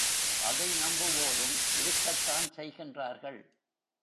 அதை நம்புவோரும் இருக்கத்தான் செய்கின்றார்கள்.